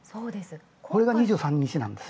これが２３日なんです。